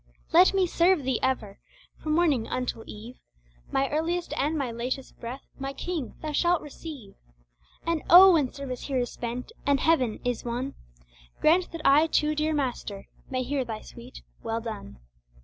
Let me serve Thee ever, from morning until eve, My earliest and my latest breath, my King, Thou shall receive. And oh when service here is spent, and Heaven is won Grant that I too, dear Master, may hear Thy sweet "Well done!"